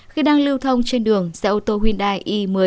khi đang lưu thông trên đường xe ô tô hyundai e một mươi